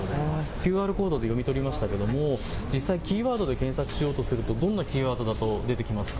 ＱＲコードで読み取りましたけれども実際、キーワードで検索しようとするとどんなキーワードだと出てきますか。